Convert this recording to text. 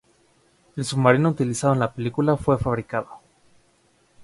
El submarino utilizado en la película fue fabricado.